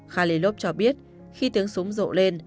khalilov cho biết khi tiếng súng rộ lên